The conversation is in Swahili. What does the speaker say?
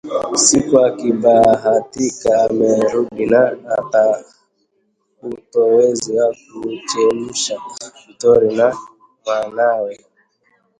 Siku akibahatika anarudi na utowezi na kuchemsha mtori na mwanawe